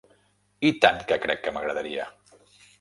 I tant que crec que m'agradaria!